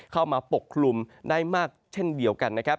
ปกคลุมได้มากเช่นเดียวกันนะครับ